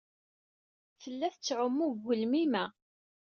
Tella tettɛumu deg ugelmim-a.